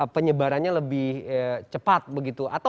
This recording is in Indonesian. penyebarannya lebih cepat begitu